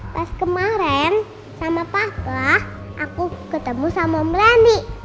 pas kemaren sama papa aku ketemu sama om randy